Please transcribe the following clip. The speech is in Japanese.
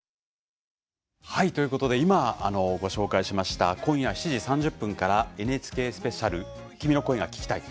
今、ご紹介しました今夜７時３０分からＮＨＫスペシャル「君の声が聴きたい」